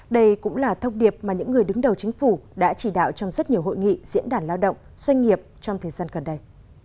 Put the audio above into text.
đây cũng là thông điệp mà những người đứng đầu chính phủ đã chỉ đạo trong rất nhiều hội nghị diễn đàn lao động doanh nghiệp trong thời gian gần đây